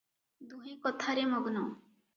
ଦୁହେଁ କଥାରେ ମଗ୍ନ ।